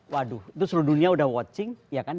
waduh itu seluruh dunia udah watching ya kan